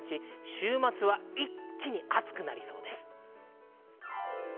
週末は一気に暑くなりそうです。